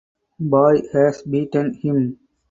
Boyd has beaten him.